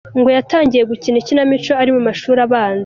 Ngo yatangiye gukina ikinamico ari mu mashuri abanza.